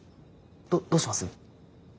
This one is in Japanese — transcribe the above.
どっどうします？